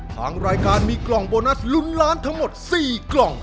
ทางรายการมีกล่องโบนัสลุ้นล้านทั้งหมด๔กล่อง